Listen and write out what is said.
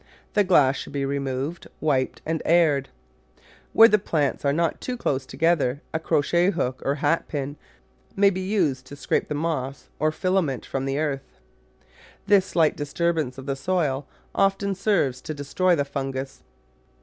The glass should be removed, wiped, and aired. Where the plants are not too close together a crochet hc>ok or hat pin may be used to scrape the moss or filament from the earth. This slight disturbance of the soil often serves to destroy the fungus.